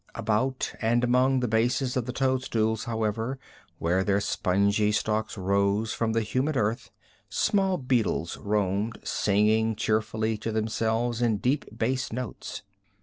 About and among the bases of the toadstools, however, where their spongy stalks rose from the humid earth, small beetles roamed, singing cheerfully to themselves in deep bass notes.